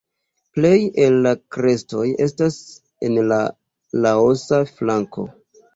Plej el la krestoj estas en la Laosa flanko.